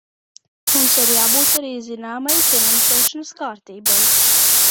Mums ir jābūt arī zināmai finansēšanas kārtībai.